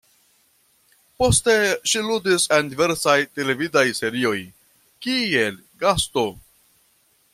Poste ŝi ludis en diversaj televidaj serioj, kiel gasto.